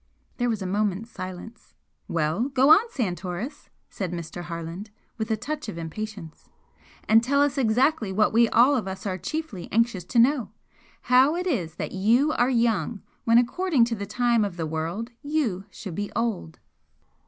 There was a moment's silence. "Well, go on, Santoris!" said Mr. Harland, with a touch of impatience, "And tell us especially what we all of us are chiefly anxious to know how it is that you are young when according to the time of the world you should be old?"